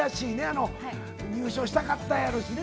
入賞したかったやろうしね。